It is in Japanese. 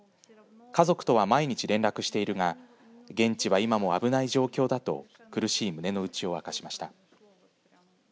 家族とは、毎日連絡しているが現地は今も危ない状態だと苦しい胸の内を明かしました。